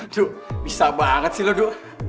aduh bisa banget sih lo duh